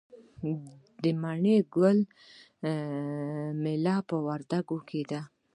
د مڼې ګل میله په وردګو کې ده.